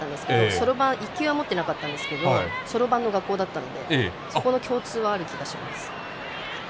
そろばん１級は持ってなかったんですけどそろばんの学校だったのでそこの共通はあると思います。